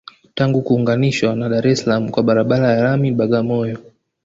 Tangu kuunganishwa na Dar es Salaam kwa barabara ya lami Bagamoyo